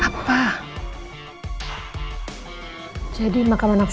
saya pas ini catharsis tua